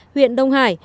huyện đông hải